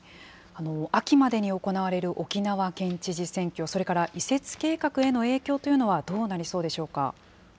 秋までに行われる沖縄県知事選挙、それから移設計画への影響というのはどうなりそうでしょうか。